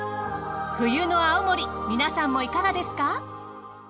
冬の青森皆さんもいかがですか？